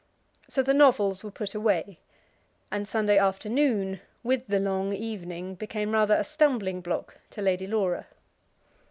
So the novels were put away, and Sunday afternoon with the long evening became rather a stumbling block to Lady Laura.